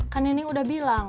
kan nini udah bilang